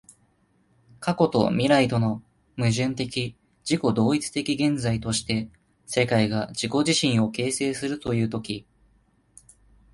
過去と未来との矛盾的自己同一的現在として、世界が自己自身を形成するという時